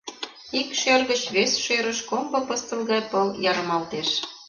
Ик шӧр гыч вес шӧрыш комбо пыстыл гай пыл ярымалтеш.